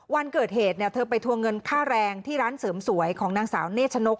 วันเกิดเหตุเธอไปทวงเงินค่าแรงที่ร้านเสริมสวยของนางสาวเนชนก